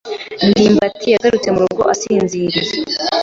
ndimbati yagarutse mu rugo, asinziriye.